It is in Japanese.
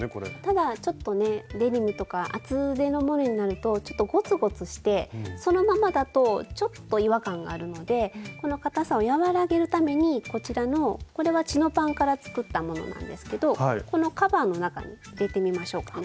ただちょっとねデニムとか厚手のものになるとちょっとゴツゴツしてそのままだとちょっと違和感があるのでこのかたさを和らげるためにこちらのこれはチノパンから作ったものなんですけどこのカバーの中に入れてみましょうかね。